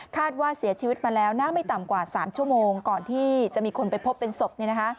ว่าเสียชีวิตมาแล้วน่าไม่ต่ำกว่า๓ชั่วโมงก่อนที่จะมีคนไปพบเป็นศพ